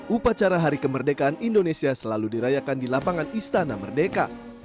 upacara hari kemerdekaan indonesia selalu dirayakan di lapangan istana merdeka